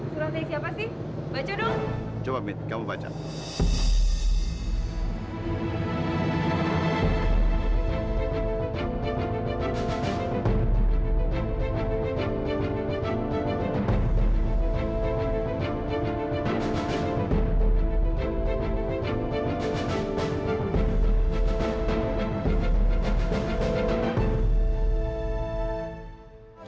surah dari siapa sih baca dong